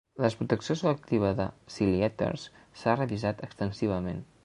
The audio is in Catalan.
La desprotecció selectiva de siliéters s'ha revisat extensivament.